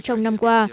trong năm qua